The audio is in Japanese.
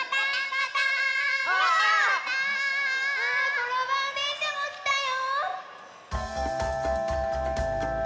コロバウでんしゃもきたよ。